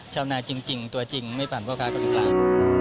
ชาวนาจริงตัวจริงไม่ปั่นพ่อค้าคนกลาง